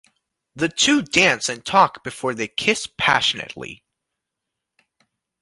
The two dance and talk before they kiss passionately.